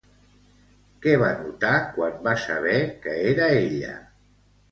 Què va notar, quan va saber que era ella?